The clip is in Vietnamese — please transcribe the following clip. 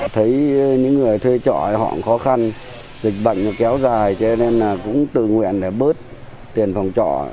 thấy những người thuê trọ họ khó khăn dịch bệnh kéo dài cho nên là cũng tự nguyện để bớt tiền phòng trọ